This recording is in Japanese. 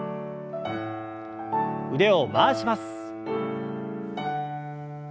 腕を回します。